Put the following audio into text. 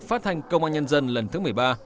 phát thanh công an nhân dân lần thứ một mươi ba